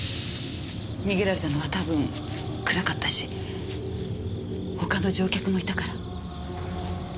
逃げられたのは多分暗かったし他の乗客もいたから。